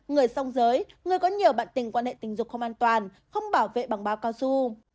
người song giới người có nhiều bạn tình quan hệ tình dục không an toàn không bảo vệ bằng báo cao su